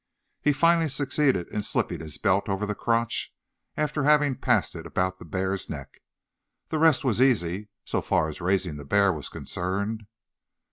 He finally succeeded in slipping his belt over the crotch after having passed it about the bear's neck. The rest was easy, so far as raising the bear was concerned.